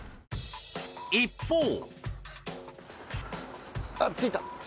一方。